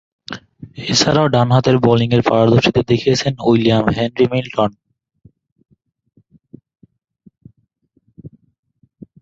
এছাড়াও ডানহাতে বোলিংয়ে পারদর্শীতা দেখিয়েছেন উইলিয়াম হেনরি মিল্টন।